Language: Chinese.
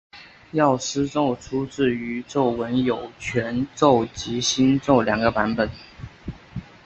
药师咒出自于咒文有全咒及心咒两个版本。